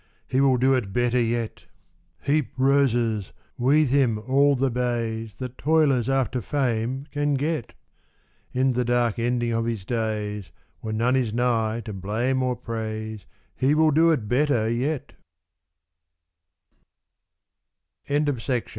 He will do it better yet ! Heap roses, weathe him all the bays That toilers after fame can get ! In the dark ending of his days, When none is nigh to blame or praise, He will d